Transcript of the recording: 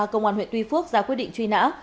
công an huyện tuy phước ra quyết định truy nã